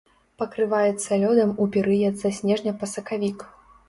Пакрываецца лёдам у перыяд са снежня па сакавік.